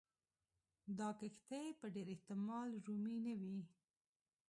دا کښتۍ په ډېر احتمال رومي نه وې.